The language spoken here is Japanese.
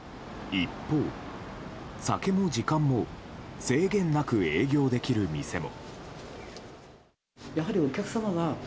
一方、酒も時間も制限なく営業できる店も。